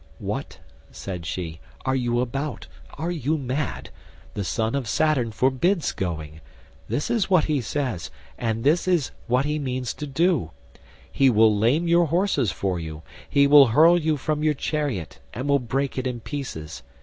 "What," said she, "are you about? Are you mad? The son of Saturn forbids going. This is what he says, and this is what he means to do, he will lame your horses for you, he will hurl you from your chariot, and will break it in pieces.